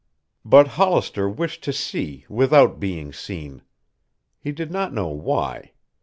But Hollister wished to see without being seen. He did not know why.